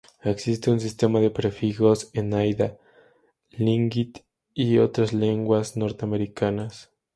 Existe un sistema de prefijos en haida, tlingit y otras lenguas norteamericanas.